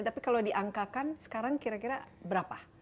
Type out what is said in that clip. tapi kalau diangkakan sekarang kira kira berapa